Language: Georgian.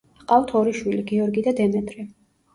ჰყავთ ორი შვილი, გიორგი და დემეტრე.